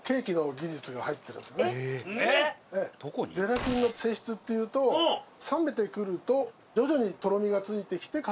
このゼラチンの性質っていうと冷めてくると徐々にとろみがついてきて固まる。